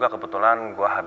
cepet pulang ya